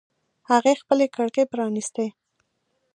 هغې خپلې کړکۍ پرانیستې